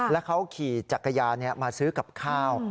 แล้วเขาขี่จักรยานมาซื้อกับข้าว